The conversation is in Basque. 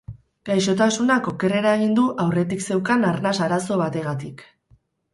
Gaixotasunak okerrera egin du aurretik zeukan arnas arazo bategatik.